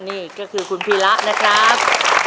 นี่ก็คือคุณพีระนะครับ